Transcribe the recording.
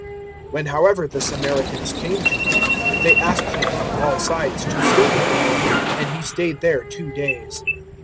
004:040 When however the Samaritans came to Him, they asked Him on all sides to stay with them; and He stayed there two days.